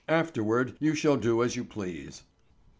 Afterward you shall do as you please."